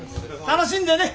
楽しんでね。